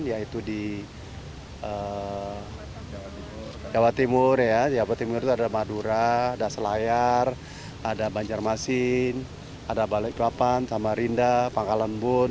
yaitu di jawa timur jawa timur itu ada madura ada selayar ada banjarmasin ada balikpapan samarinda pangkalembun